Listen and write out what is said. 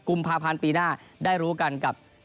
กุมภาพันธ์ปีหน้าได้รู้กันกับ